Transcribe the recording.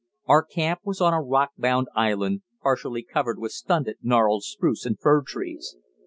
Our camp was on a rock bound island, partially covered with stunted gnarled spruce and fir trees.